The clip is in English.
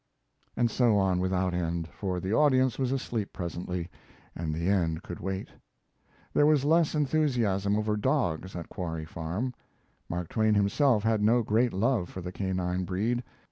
And so on without end, for the audience was asleep presently and the end could wait. There was less enthusiasm over dogs at Quarry Farm. Mark Twain himself had no great love for the canine breed.